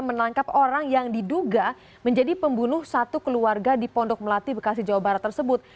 menangkap orang yang diduga menjadi pembunuh satu keluarga di pondok melati bekasi jawa barat tersebut